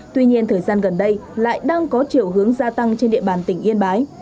tuy nhiên thời gian gần đây lại đang có chiều hướng gia tăng trên địa bàn tỉnh yên bái